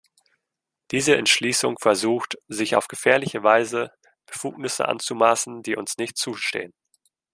Diese Entschließung versucht, sich auf gefährliche Weise Befugnisse anzumaßen, die uns nicht zustehen.